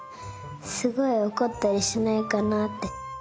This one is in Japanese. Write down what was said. すごいおこったりしないかなって。